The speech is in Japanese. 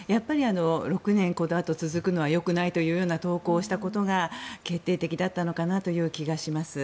６年このあと続くのはよくないというような投稿をしたことが決定的だったのかなという気がします。